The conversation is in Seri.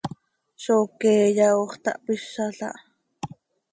¡Zó queeya hoox tahpizàl ah!